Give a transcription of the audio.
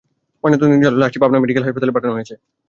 ময়নাতদন্তের জন্য লাশটি পাবনা মেডিকেল হাসপাতালে পাঠানো হয়েছে।